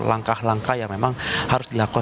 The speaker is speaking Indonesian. langkah langkah yang memang harus dilakukan